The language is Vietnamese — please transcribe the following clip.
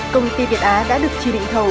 công ty việt á đã được trì định thầu